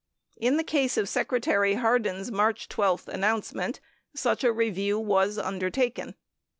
19 In the case of Secretary Hardin's March 12 announcement, such review was undertaken.